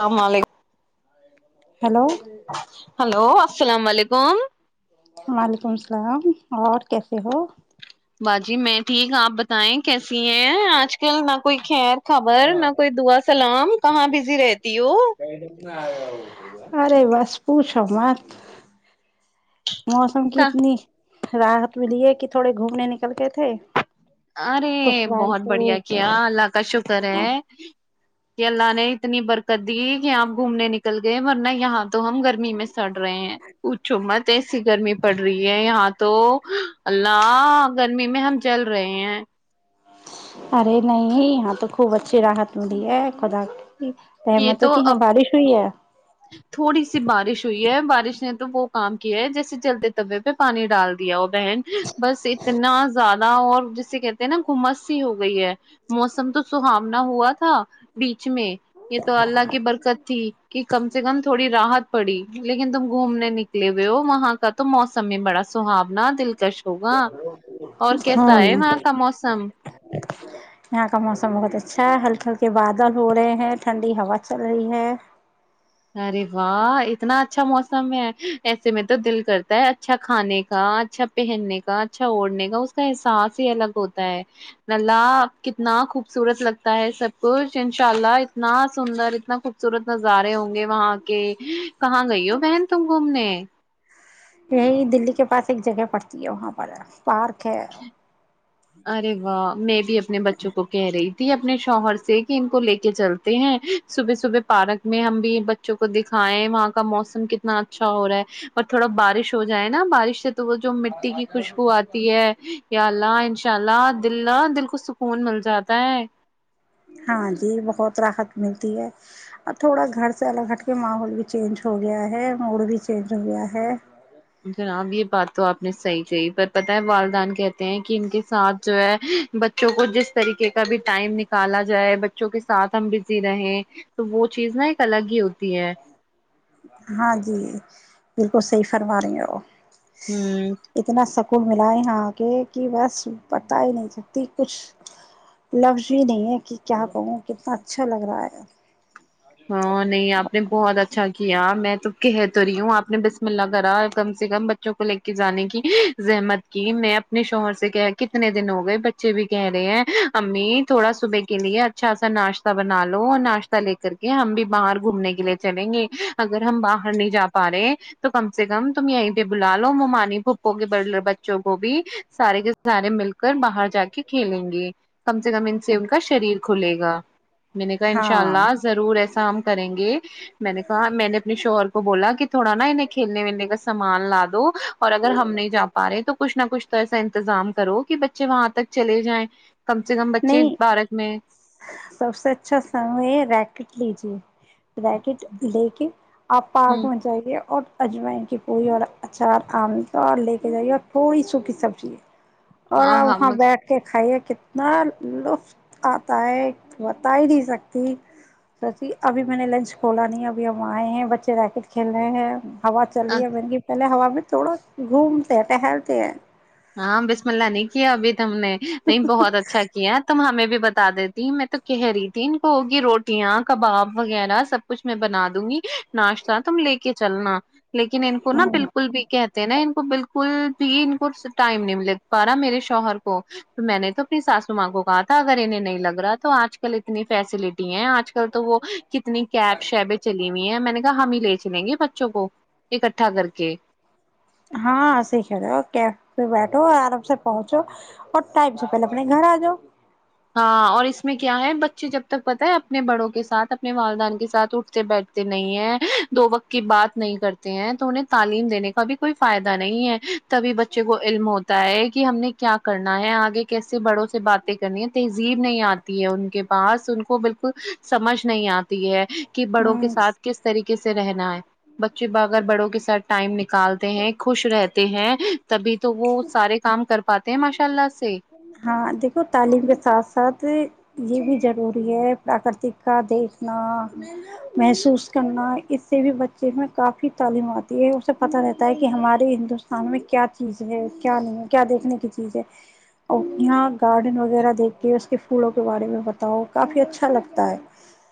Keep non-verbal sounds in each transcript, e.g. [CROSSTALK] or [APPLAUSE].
السلام علیکم hello hello السلام علیکم وعلیکم اللام اور کیسے ہو ہا جی میں ٹھیک آپ بتائیں کیسی ہیں آج کل نہ کوئی خیر خبر نہ کوئی دعا سلام کہاں بزی رہتی ہو ارے بس پو چو مت موسم کتنی راحت ملی ہے کہ تھوڑے گھومنے نکل کے تھے ارے کچھ بہت بارش بڑھیا ہوئی کیا تو اللہ کا شکر ہے کہ اللہ نے اتنی برک کر دی کہ آپ گھومنے نکل گئے ورنہ یہاں تو ہم گرمی میں سڑ رہے ہیں اچ مت ایسی گرمی پڑ رہی ہے یہاں تو اللہ گرمی میں ہم جل رہے ہیں ارے نہیں یہاں تو خوب اچھی راحت ملی ہے خدا یہ امت ہے تو کہ اب ہاں بارش ہوئی ہے تھوڑی سی بارش ہو ہے بارش نے تو وہ کام کیا ہے جیسے چلتے طبے پہ پانی ڈال دیا اور بھی رہ بس اتنا زیادہ اور جسے کہتے نا گھومس سی ہو گئی ہے موسم تو سہاننا ہوا تھا بیچ میں یہ تو اللہ کی برکت ٹھیک ہے کم سے کم تھوڑی رات پڑی لیکن تم گھومنے نکلے ہوئے ہو وہاں کا تو موسم ہی بڑا سہاونا دل کش ہوگا اور کیسا ہے ہوں وہاں کا موسم یہاں کا موسم بہت اچھا ہلکے ہلکے بادل ہو رہے ہیں ٹھنڈی ہوا چل رہی ہے ارے واہ اتنا اچھا موسم ہے ایسے میں تو دل کرتا ہے اچھا کھانے کا اچھا پہننے کا اچھا اوڑھنے کا اس کا احساس ہی الگ ہوتا ہے نا کتنا خوبصورت لگتا ہے سب کچھ ان شاء اللہ اتنا سندر اتنا خوبصورت نظارے ہوںے ہ گے وہاں کے کہاں گئی ہو بہن تم گھومنے یہی دلی کے پاس ایک جگہ پڑتی ہے وہاں پر پارک ہے ارے واہ میں بھی اپنے بچوں کو کہہ رہی اپنے شوہر سے کہ ان کو لے کے چلتے ہیں صبح صبح پارک میں ہم بھی بچوں کو دکھائے وہاں کا موسم کتنا اچھا ہو رہا ہے اور تھوڑا بارش ہو جائے نا بارش سے تو وہ جو مٹی کی خوشبو آتی ہے اللہ انشاء اللہ دل دل کو سکون ملتا جاتا ہے ہاں جی بہت راحت ملتی ہے اور تھوڑا گھر سے الگ ہٹ کے ماحول بھی چینج ہو گیا ہے موڈ بھی چینج ہو گیا ہے جناب یہ بات تو آپ نے صحیح کہی پر پتہ ہے والدان کہتے ہیں کہ ان کے ساتھ جو ہے بچوں کو جس طریقے کا بھی ٹائم نکالا جائے ب بچوں کے ساتھ ہم بزی رہے تو وہ چیز نا ایک الگ ہی ہوتی ہے ہاں جی بالکل صحی فرم رہی ہو ہوں کو ملا یہاں آ کے کہ بس بتا ہی نہیں سکتی کچھ لفظ بھی نہیں ہے کہ کیا کہوں کتنا اچھا لگ رہا ہے ہاں نہیں آپ نے بہت اچھا کیا میں تو کہ تو رہی ہوں آپ نے بسم اللہ کرا کم سے کم بچوں کو لے کے جانے کی زحمت کی میں اپنے شوہر سے کہ کتنے دن ہو گئے بچے بھی کہہ رہے ہیں امی تھوڑا صبح کے لیے اچھا سا ناشتہ بنا لو اور ناشتہ لے کر کے ہم بھی باہر گھومنے کے لیے چلیں گے اگر ہم باہر نہیں جا پا رہے تو کم سے کم تم یہیں پہ بلا لو ممانی پھپھوں کے بچوں کو بھی سارے کے سارے مل کر باہر ج کے کھیلیں گے کم سے کم ان سے ان کا شریر کھلے گا میں نے کہا ان شاء ہاں اللہ ضرور ایسا ہم کریں گے میں نے کہا میں نے اپنے شوہر کو بولا کہ تھوڑا نا انہیں کھیلنے ولنے کا سامان لا دو اور اگر ہم نہیں جا پا رہے تو کچھ نہ کچھ تو ایسا انتظام کرو کہ بچے وہاں تک چلے جائیں کم سے کم بچے نہیں بھارت میں سب سے اچھا س ہے ریکٹ لیجے ریکٹ لے کے آپ ہ پارک میں جائیے اور اجوائن کی پوری اور اچار آام ط اور لے کے جائیے اور تھوڑی سوکھی سبزی ہے اور ہاں آپ وہاں ہاں بیٹھ کے کھائیے کتنا لطف آتا ہے بتا ہی نہیں سکتی سی ابھی میں نے لنچ کھولا نہیں ابھی ہم آئے ہیں بچے ریکٹ کھیل رہے ہیں ہا چل رہ ہے مہنی پہلے ہ ہم تھوڑا گھومتے ہیں ٹہلتے ہیں ہاں بیسملہ نہیں کیا اب تم نے نہیں بہت اچھا کیا تم ہمیں بھی ب بتا دیتی میں تو کہہ رہی تھی ان کو ہوگی روٹیاں کباب وغیرہ سب کچھ میں بنا دوں گی ناشتہ تم لے کے چلنا لیکن ان کو نہا بالکل بھی کہتے ہیں نا ان کو بالکل فل پین کر س ٹائم نہیں مل پا رہا میرے شوہر کو تو میں نے تو اپنی ساسو ماں کو کہا تھا اگر انہیں نہیں لگ رہا تو آج کل اتنی فیسلٹی ہیں آج کل تو وہ کتنی کیب شیبیں چلی ہوئی ہیں میں نے کہا ہم ہی لے چلیں گے بچوں کو اکٹھا کر کے ہاں سیکھ رہ کیفہ بیٹھو آرام سے پہنچو اور ٹائم سے پہلے اپنے گھر آ جاؤ اور اس میں کیا ہے بچے جب تک پت ہے اپنے بڑوں کے ساتھ اپنے والدان کے ساتھ اٹھتے بیٹھتے نہیں ہیں دو وقت کی بات نہیں کرتے ہیں تو انہیں تعلیم دینے کا بھی کوئی فائدہ نہیں ہے تبھی بچے کو علم ہوتا ہے کہ ہم نے کیا کرنا ہے آگے کیسے بڑوں سے باتیں کرنی ہے تہذیب نہیں آتی ہے ان کے پاس ان کو بالکل سمجھ نہیں آتی ہے کہ بڑوں کے ساتھ کس طریقے سے رہنا ہے بچے ایر بڑوں کے ساتھ ٹائم نکالتے ہیں خوش رہتے ہیں تبھی تو وہ سارے کام کر پاتے ہیں ماشاء اللہ سے ہاں دیکھو تعلیم کے ساتھ ساتھ یہ بھی ضروری ہے پراکرتک کا دیکھنا محسوس کرنا اس سے بھی بچے میں کافی تعلیم آتی ہے اسے پتہ رہتا ہے کہ ہمارے ہندوستان میں کیا چیز ہے کیا نہیں ہے کیا دیکھنے کی چیز ہے اور یہاں گارڈن وغیرہ دیکھ کے اس کے پھولوں کے بارے میں بتاؤ کافی اچھا لگتا ہے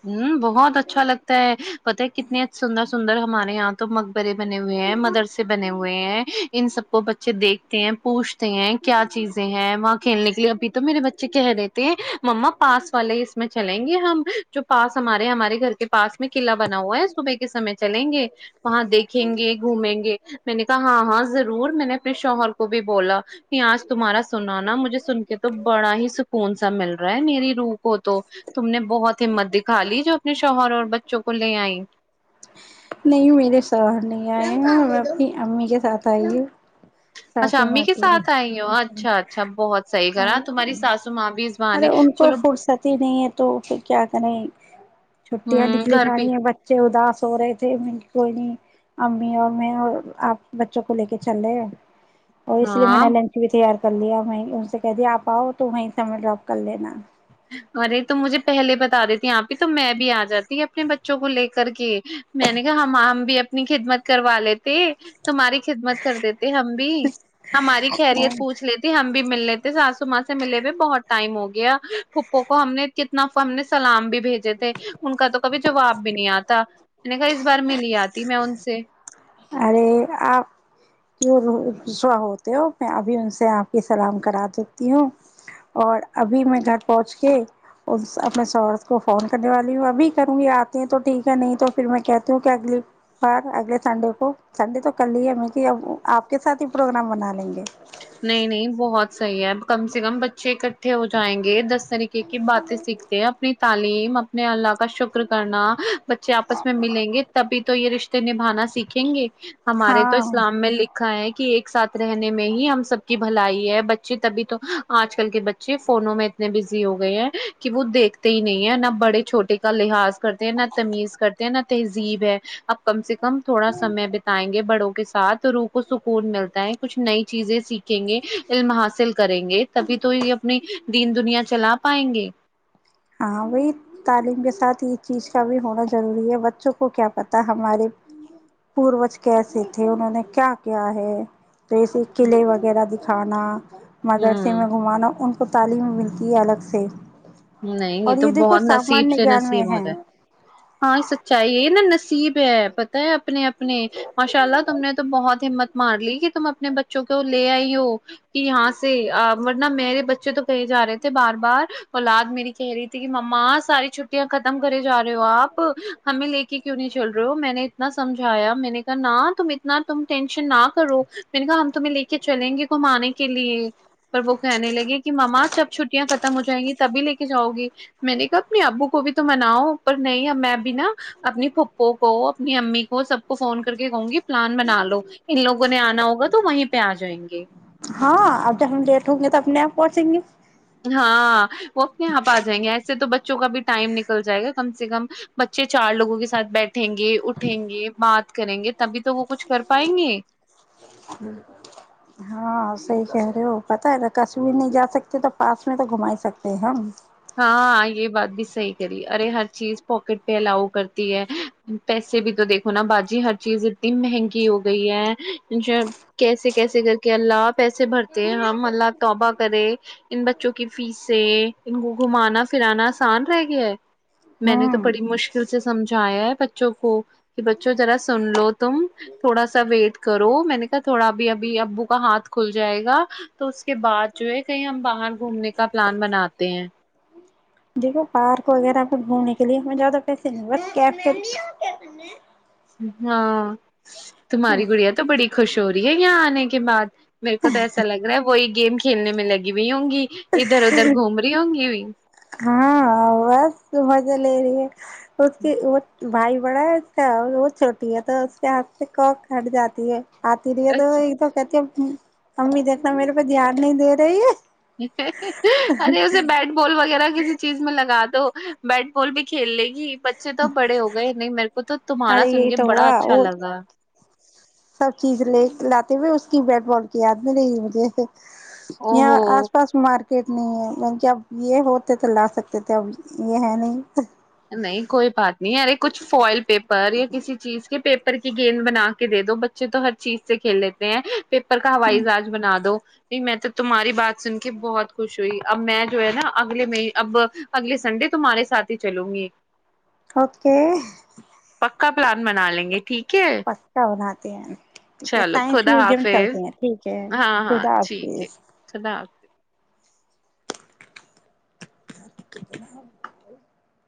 ہوں بت بہت اچھا لگتا ہے پت کتنی سندر سندر ہمارے یہاں تو بے بنے ہوئے ہیں مدرسے بنے ہوئے ہیں ان سب کو بچے دیکھتے ہیں پوچھتے ہیں کیا چیزیں ہیں وہاں کھیلنے کہ ابھی تو میرے بچے کہہ دیتے ہیں مما پاس والے اس میں چلیں گے ہم جو پاس ہمارے ہمارے گھر کے پاس میں قلعہ بنا ہوا ہے صبح کے سمے چلیں گے وہاں دیکھیں گے گھومیں گے میں نے کہا ہاں ہاں ضرور میں نے اپنے شوہر کو بھی بولا کہ آج تمہارا سنا نا مجھے سن کے تو بڑا ہی سکون سا مل رہا ہے میری روح کو تو تم نے بہت ہمت دکھا لی جو اپنے شوہروں اور بچوں کو لے آئی نہیں میرے شوہر نہیں آئے ہیں میں اپنی امی کے ساتھ ائی ہوں اچھا ساسو امی ماں کے ساتھ آئی ہو اچھا اچھا بہت صحیح کرا تمہاری ساسو ماں بھی اس ارے بہانے ان کو چلو فرصتی نہیں ہے تو پھر کیا کریں چھٹیاں ہ نکلی گھر جا پہ رہی ہے بچے اداس سو رہے تھے تو کوئی نہیں امی اور میں اب بچوں کو لے کے چلے اور اس لیے میں ہاں نے لنچ بھی تیار کر لیا وہیں ان سے کہہ دیا آپ آؤ تو وہیں سے ہمیں ڈراپ کر لینا ارے تو مجھے پہلے بتا دیتی اپی تو میں بھی آ جاتی اپنے بچوں کو لے کر کے میں نے کہا ہم ہم بھی اپنی خدمت کروا لیتے تمہاری خدمت کر دیتے ہم بھی ہماری خیریت پوچھ لیتے ہم بھی ہم بھی مل لیتے ساسو ماں سے ملے ہوئے بھی بہت ٹائم ہو گیا پھپھو کو ہم نے کتنا ہم نے سلام بھی بھیجے تھے ان کا تو کبھی جواب بھی نہیں آتا میں نے کہا اس بار ملی آتی میں ان سے ارے آپ کیوں غصہ ہوتے ہو میں ابھی ان سے آپ کی سلام کرا دیتی ہوں اور ابھی میں گھر پہنچ کے اپنے شوہر کو فون کرنے والی ہوں ابھی کروں گی آتے ہیں تو ٹھیک ہے نہیں تو پھر میں کہتی ہوں کہ اگلی بار اگلے سنڈے سنڈے تو کر لی ہمیں کہ اب آپ کے ساتھ ہی پروگرام بنا لیں گے نہیں نہیں بہت صحیح ہے کم سے کم بچے اکٹھے ہو جائیں گے دس طریقے کی باتیں سیکھتے ہیں اپنی تعلیم اپنے اللہ کا شکر کرنا بچے آپس میں ملیں گے تبھی تو یہ رشتے نبھانا سیکھیں گے ہمارے تو ہاں اسلام میں لکھا ہے کہ ایک ساتھ رہنے میں ہی ہم سب سب کی بھلائی ہے بچے تبھی تو آج کل کے بچے فونوں میں اتنے بزی ہو گئے ہیں کہ وہ دیکھتے ہی نہیں ہے نہ بڑے چھوٹے کا لحاظ کرتے ہیں نہ تمیز کرتے ہیں نہ تہذیب ہے اپ کم سے کم تھوڑا سمے بتائیں گے بڑوں کے ساتھ روح کو سکون ملتا ہے کچھ نئی چیزیں سیکھ گے علم حاصل کریں گے تبھی تو یہ اپنی دین دنیا چلا پائیں گے ہاں وہی تعلیم کے سات ہی چیز کا بھی ہونا ضروری ہے بچوں کو کیا پتا ہمارے پوروج کیسے تھے انہوں نے کیا کیا ہے اب اسے قلعے وغیرہ دکھا اپ مدرسے ہوں میں گھمانا ان کو کو تعلیم ملتی ہے الگ سے نہیں یہ اور تو دیکھو بہت نصیب سامانیہ سے گیان میں نصیب ہوتا ہے ہاں سچائی ہے نا نصیب پتا ہے اپنے اپنے ماشاء اللہ تم نے تو بہت ہمت مار لی کہ تم اپنے بچوں کو لے آئی ہو کہ یہاں سے ورنہ میرے بچے مجھے تو کہے ج رہے تھ بار بار اولاد میری کہہ رہی تھی کہ مما ساری چھٹیا ک ختم کرے جا رہے ہو آپ ہمیں لے کے کیوں نہیں چل رہے ہو میں نے اتنا سمجھایا میں نے کہا نہ تم اتنا تم ٹینشن نہ کرو میں نے کہا ہم تمہیں لے کے چلیں گے گھمانے کے لیے پر وہ کہنے لگے کہ مما چب چھٹیاں ختم ہو جائ گی تبھی لے کے جاؤ گی میں نے کہا اپنے ابو کو بھی تو مناؤ پر نہیں میں بھی نا اپنی پھپھو کو اپنی امی کو سب کو فون کر کے کہوں گی پلان بنا لو ان لوگوں نے آنا ہوگا تو وہیں پہ آ جائیں گے ہاں اب جب ہم لیٹ ہوں گے ت اپنے یہاں پہنچیں گے ہاں وہ اپنے یہاں پہ آ جائیں گے ایسے تو بچوں کا بھی ٹائم نکل جائے گا کم سے کم بچے چار لوگوں کے سھ بیٹھ اٹھیں گے اٹھیں گے بات کریں گے تبھی تو وہ کچھ کر پائیں گے کہہرے ہو پتا ہےا کشمیر نہیں جا سکتے تو پاس میں تو گھما ہی سکتے ہیں ہم ہاں یہ بات بھی صحیح کری ارے ہر چیز پواکٹ پہ الاؤ کرتی ہے پیسے بھی تو دیکھو نا باجی ہر چیز اتنی مہنگی ہو گئی ہےاء کیسے کیسے کر کے اللہ آپ پیسے بھرتے ہیں ہم اللہ توبہ کرے ان بچوں کی فیسیں گھمانا پرانا آسان رہ گیا ہے میں نے تو ہوں بڑی مشکل سے سمجا آیا ہے بچوں کو کہ بچوں ذرا سن لو تو تم تھوڑا سا ویٹ کرو میں نے کہا تھوڑا اب ابھی ابو کا ہاتھ کھل جائے گا تو اس کے بعد جو ہے کہیں ہم باہر گھومنے کا پلان بناتے ہ [INAUDIBLE] [UNINTELLIGIBLE] دیکھو پارک وغیرہ پ گھومنے کے لیے ہمیں زیادہ پیسے نہیں بس ہاں تمہاری گڑیا تو بڑی خوش ہو رہی ہے یہاں آنے کے بعد میرے کو تو ایسا لگ رہا ہے وہی گیم کھیلنے میں لگی ہوئی ہوں گی ادھر ادھر گھوم رہی ہوں گی بھی ہاں بس مزہ لے رہی ہیں اس کی وہ بھائی بڑاا وہ چھوٹی ہے تو اس کے ہاتھ سے کاک کھٹ جاتی ہے آ ترییا دو اچھا ایک تو کتی [INAUDIBLE] امی دیکھنا میرے پہ دھیان نہیں دے رہی ہے ارے اسے بیٹ بال وغیرہ کسی چیز میں لگا دو بیٹ بال بھی کھیل لے گی بچے تو بڑے ہو گئے نہیں میرے کو تو تمہارا ارے سن یہی کے تو بڑا ہوا اچھا وہ لگا سب چیز لے لاتے ہوئے اس کی بیٹ بال کی یاد میں رہی مجھے او یہاں ہو آس پاس مارکی کٹنی ہے م اب یہ ہوتے تو لا سکتے تھے اب یہ ہے نہیں نہیں کوئی بات نہیں رے کچھ فوائل پیپر پر یا کسی چیز کے پیپر پ کی گیند بنا کے دے دو بچے تو ہر چیز سے کھیل لیتے ہیں پیپر کا ہوائی جہاز بنا دو نہیں میں تو تمہاری بات سن کے بہت خوش ہوئی اب میں جو ہے نا اگلے میں اب اگلے سنڈے تمہارے ساتھ چلوں گی اوکے کا پلان بنا لیں گے ٹھیک ہے پستا بناتے ہیں چلو سائنس خدا میزم حافظ چلتے ہیں ٹھیک ہے ہاں ہاں خدا ٹھیک ہے حافظ خدا حافظ [INAUDIBLE]